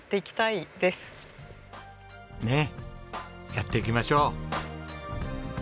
ねっやっていきましょう！